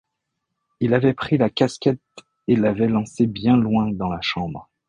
Il avait pris la casquette et l’avait lancée bien loin dans la chambre.